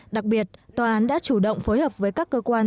đặc biệt tòa án đã chủ động phối hợp với các cơ quan